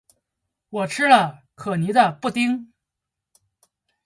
我吃了可妮的布丁